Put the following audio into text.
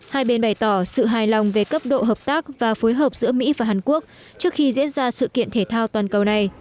hai bên bày tỏ sự hài lòng về cấp độ hợp tác và phối hợp giữa mỹ và hàn quốc trước khi diễn ra sự kiện thể thao toàn cầu này